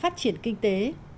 triển kinh tế